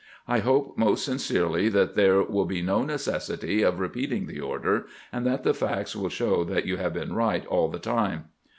I hope most sincerely that there will be no necessity of repeat ing the order, and that the facts wiU show that you have been right aU the time."